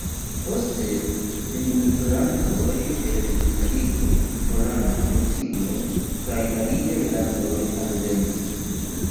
Poste enmigrantoj el Italio, Pollando, Rusio kaj aliaj landoj alvenis.